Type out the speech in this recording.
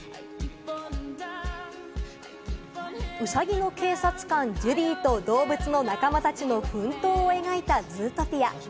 ウサギの警察官・ジュディと動物の仲間たちの奮闘を描いた『ズートピア』。